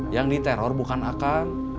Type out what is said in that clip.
yang diteror bukan akan